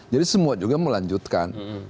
jadi semua juga melanjutkan